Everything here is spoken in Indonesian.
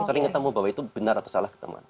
sering ketemu bahwa itu benar atau salah keteman